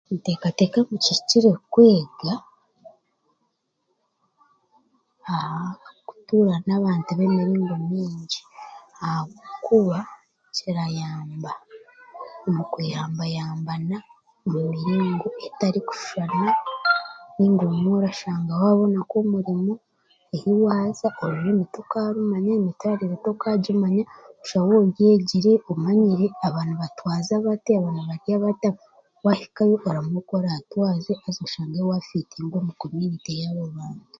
Niteekateeka ngu kihikire kwega aha kutuura n'abantu b'emiringo mingi ahabwokuba kirayamba omu kuyambayambana omu miringo etarikushushana nainga obumwe orashanga waabona nk'omurimo ehi waaza orurimi tokaarumanya emitwarire tookagimanya, oshange obyegire omanye aba nibatwaza bati, aba nibarya bati wahikayo oramanya oku oraatwaze haza oshange waafiitinga omu komyunite yaabo bantu